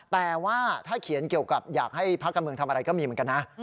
แต่ว่าถ้าเขียนเกี่ยวกับอยากให้พักการเมืองทำอะไรก็มีเหมือนกันนะ